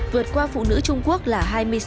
vượt qua phụ nữ trung quốc là hai mươi sáu